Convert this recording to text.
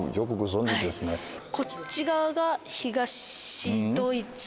こっち側が東ドイツで。